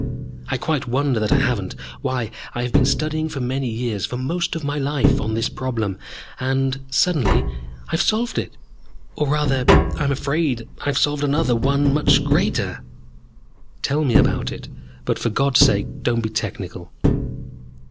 "I quite wonder that I haven't. Why, I have been studying for many years for most of my life on this problem. And, suddenly, I have solved it! Or, rather, I am afraid I have solved another one much greater." "Tell me about it, but for God's sake don't be technical."